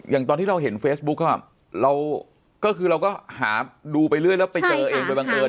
อย่างที่เราเห็นเฟซบุ๊กเราก็คือเราก็หาดูไปเรื่อยแล้วไปเจอเองโดยบังเอิญ